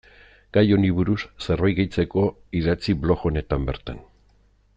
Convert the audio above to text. Gai honi buruz zerbait gehitzeko idatzi blog honetan bertan.